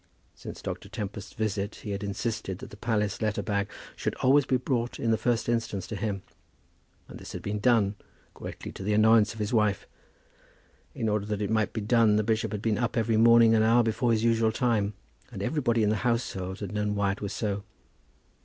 Since Dr. Tempest's visit he had insisted that the palace letter bag should always be brought in the first instance to him; and this had been done, greatly to the annoyance of his wife. In order that it might be done the bishop had been up every morning an hour before his usual time; and everybody in the household had known why it was so.